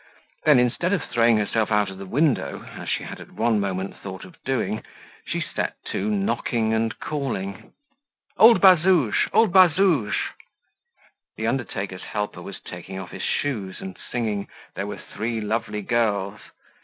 Then, instead of throwing herself out of the window, as she had at one moment thought of doing, she set to knocking and calling: "Old Bazouge! Old Bazouge!" The undertaker's helper was taking off his shoes and singing, "There were three lovely girls."